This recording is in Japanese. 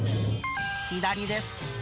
左です。